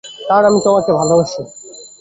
কারণ, আমি তোমাকে ভালোবাসি।